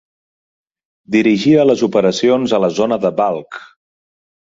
Dirigia les operacions a la zona de Balkh.